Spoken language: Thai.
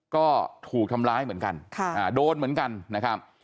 ก็ถูกทำร้ายเหมือนกันโดนเหมือนกันนะครับ